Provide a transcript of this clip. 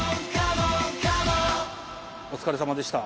お疲れさまでした。